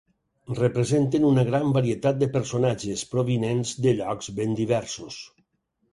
Representen una gran varietat de personatges, provinents de llocs ben diversos.